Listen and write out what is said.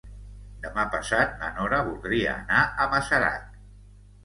Demà passat na Nora voldria anar a Masarac.